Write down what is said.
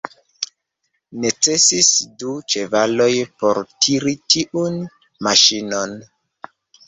Necesis du ĉevaloj por tiri tiun maŝinon.